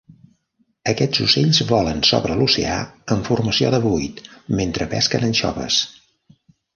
Aquests ocells volen sobre l'oceà en formació de vuit mentre pesquen anxoves.